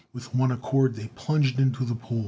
With one accord they plunged into the pool.